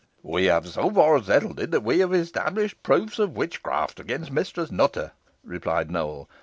"We have so far settled it, that we have established proofs of witchcraft against Mistress Nutter," replied Nowell.